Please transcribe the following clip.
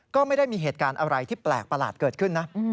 ก็ไม่ได้มีเหตุการณ์อะไรที่แปลกประหลาดเกิดขึ้นนะ